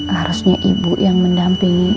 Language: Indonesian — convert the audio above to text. harusnya ibu yang mendampingi